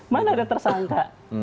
mana ada tersangka